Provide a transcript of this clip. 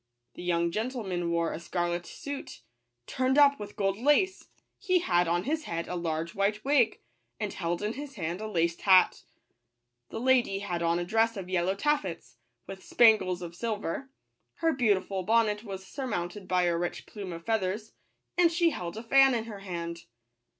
The young gentleman wore a scarlet suit, turned up with gold lace ; he had on his head a large white wig, and held in his hand a laced hat. The lady had on a dress of yellow taffeta, with spangles of sil ver ; her beautiful bonnet was surmounted by a rich plume of feathers, and she held a fan in her hand.